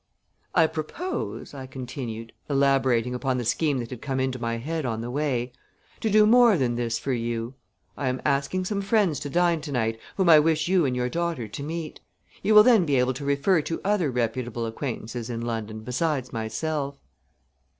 "I propose," I continued, elaborating upon the scheme that had come into my head on the way, "to do more than this for you. I am asking some friends to dine to night whom I wish you and your daughter to meet. You will then be able to refer to other reputable acquaintances in London besides myself."